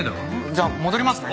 じゃあ戻りますね。